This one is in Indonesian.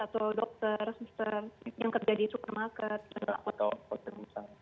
atau dokter suster yang kerja di supermarket atau apa apa